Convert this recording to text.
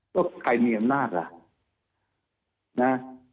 ก็ใครมีอำนาจล่ะนะ